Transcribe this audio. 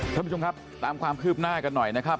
ท่านผู้ชมครับตามความคืบหน้ากันหน่อยนะครับ